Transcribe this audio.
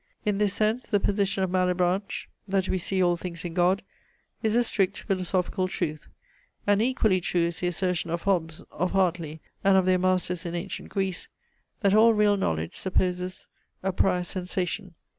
In this sense the position of Malebranche, that we see all things in God, is a strict philosophical truth; and equally true is the assertion of Hobbes, of Hartley, and of their masters in ancient Greece, that all real knowledge supposes a prior sensation.